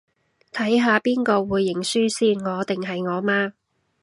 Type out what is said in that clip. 睇下邊個會認輸先，我定係我媽